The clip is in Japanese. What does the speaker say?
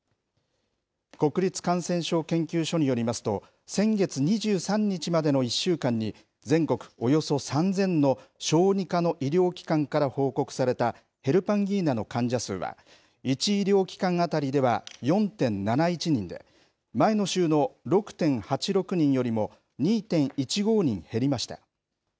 国立感染症研究所によりますと、先月２３日までの１週間に、全国およそ３０００の小児科の医療機関から報告されたヘルパンギーナの患者数は、１医療機関当たりでは４．７１人で、前の週の６．８６人よりも、２．１５人減りました。